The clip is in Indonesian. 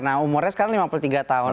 nah umurnya sekarang lima puluh tiga tahun